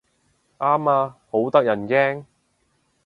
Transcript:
啱啊，好得人驚